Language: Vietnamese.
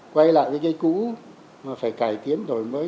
quay lại với cái cũ mà phải cải tiến đổi mới